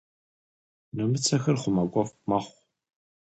Нэмыцэхьэр хъумакӏуэфӏ мэхъу.